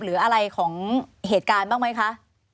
หรืออะไรของเหตุการณ์บ้างไหมคะ